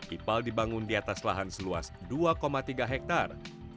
ipal dibangun di atas lahan seluas dua tiga hektare